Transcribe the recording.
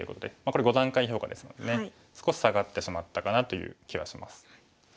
これ５段階評価ですのでね少し下がってしまったかなという気はします。